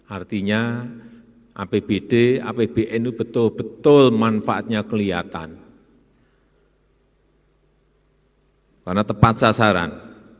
artinya apbd apbn itu betul betul manfaatnya kelihatan karena tepat sasaran